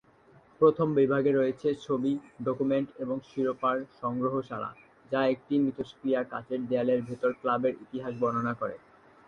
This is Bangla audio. প্রথম বিভাগে রয়েছে ছবি, ডকুমেন্ট এবং শিরোপার সংগ্রহশালা, যা একটি মিথষ্ক্রিয় কাচের দেওয়ালের ভেতর ক্লাবের ইতিহাস বর্ণনা করে।